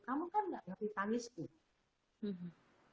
kamu kan tidak berarti tangis tuh